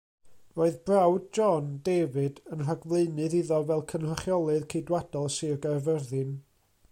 Roedd brawd John, David, yn rhagflaenydd iddo fel Cynrychiolydd Ceidwadol Sir Gaerfyrddin.